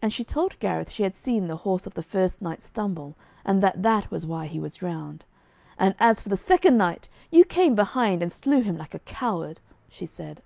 And she told Gareth she had seen the horse of the first knight stumble, and that that was why he was drowned. 'And, as for the second knight, you came behind and slew him like a coward,' she said.